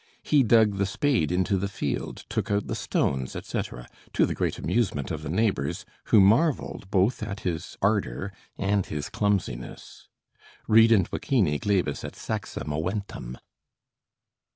He dug the spade into the field, took out the stones, etc., to the great amusement of the neighbors, who marveled both at his ardor and his clumsiness: "Rident vicini glebas et saxa moventem."